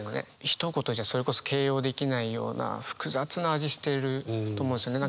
ひと言じゃそれこそ形容できないような複雑な味してると思うんですよね。